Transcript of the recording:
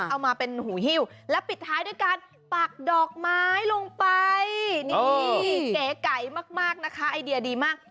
เอามาเป็นหูฮิ้วและปิดท้ายด้วยการปักดอกไม้ลงไปนี่เก๋ไก่มากนะคะไอเดียดีมาก